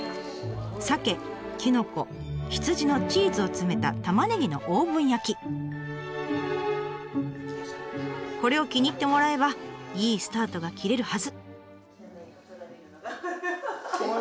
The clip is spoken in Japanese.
さけきのこ羊のチーズを詰めたこれを気に入ってもらえればいいスタートが切れるはず。